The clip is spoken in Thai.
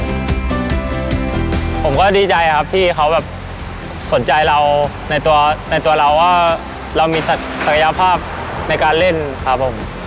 ผมก็ดีใจครับที่เขาแบบสนใจเราในตัวในตัวเราว่าเรามีศักยภาพในการเล่นครับผม